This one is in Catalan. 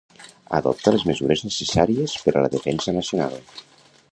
Adopta les mesures necessàries per a la defensa nacional.